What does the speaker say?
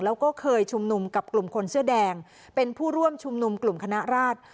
แล้วก็เคยชุมนุมกับกลุ่มคนเสื้อแดงเป็นผู้ร่วมชุมนุมกลุ่มคณะราช